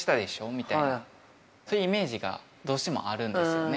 みたいな、そういうイメージが、どうしてもあるんですよね。